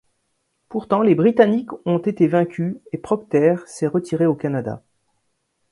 Pourtant, les Britanniques ont été vaincus, et Procter s'est retiré au Canada.